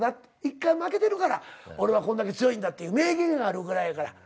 「１回負けてるから俺はこんだけ強いんだ」っていう名言があるぐらいやから。